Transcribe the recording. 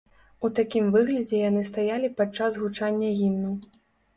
У такім выглядзе яны стаялі падчас гучання гімну.